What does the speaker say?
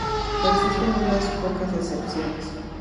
Existen unas pocas excepciones.